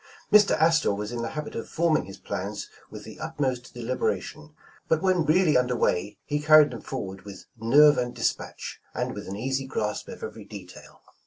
Mr. Astor was in the habit of forming his plans with the utmost delibera iton, but when reallj^ under way, he carried them for ward with nerve and dispatch, and with an easy grasp of overv detail.